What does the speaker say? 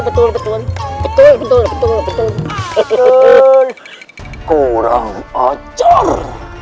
betul betul betul betul kurang ajar